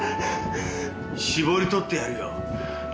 搾り取ってやるよ。